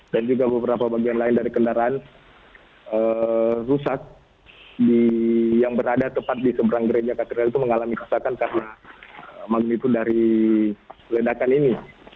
dan juga beberapa bagian lain dari kendaraan rusak yang berada tepat di seberang gereja katedral itu mengalami kesalahan karena mengikut dari ledakan ini